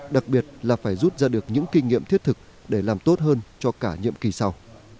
đặc biệt là phải rút ra được những kinh nghiệm thiết thực để làm tốt hơn cho cả nhiệm kỳ sau